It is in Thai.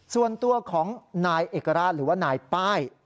ส่วนตัวของนายเอกราชหรือว่านายป้าย